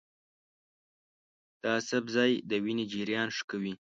دا سبزی د وینې جریان ښه کوي.